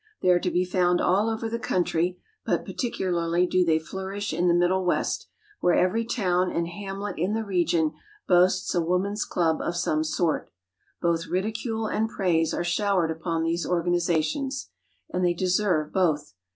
They are to be found all over the country, but particularly do they flourish in the Middle West, where every town and hamlet in the region boasts a woman's club of some sort. Both ridicule and praise are showered upon these organizations; and they deserve both.